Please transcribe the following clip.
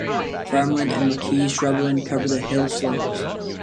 Farmland and maquis shrubland cover the hill slopes.